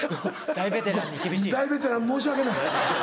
大ベテラン申し訳ない。